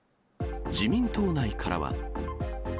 自民党内からは。